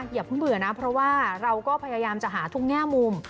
อย่าเพิ่งเบื่อนะเพราะว่าเราก็พยายามจะหาทุกแง่มุม